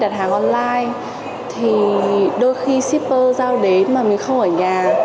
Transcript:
thì đôi khi shipper giao đến mà mình không ở nhà